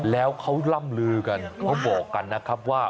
แล้วเขาล่ำลือกันเขาบอกกันนะครับว่า